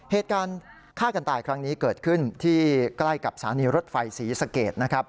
เหตุการณ์ฆ่ากันตายครั้งนี้เกิดขึ้นที่ใกล้กับสถานีรถไฟศรีสะเกดนะครับ